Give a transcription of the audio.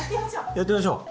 やってみましょう！